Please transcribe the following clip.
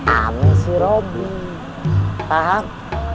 aneh si robi paham